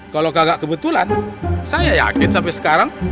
kalau kagak kebetulan saya yakin sampai sekarang